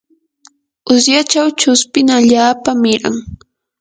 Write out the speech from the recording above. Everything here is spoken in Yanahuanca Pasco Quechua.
usyachaw chuspin allaapa miran.